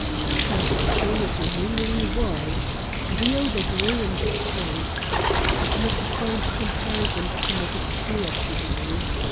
' And so it really was : the odor grew in strength. I cannot find comparisons to make it clear to you.